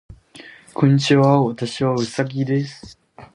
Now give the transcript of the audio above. こんにちは。私はうさぎです。